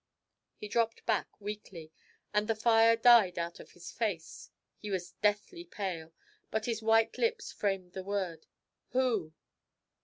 He dropped back weakly, and the fire died out of his face; he was deathly pale, but his white lips framed the word, 'Who?'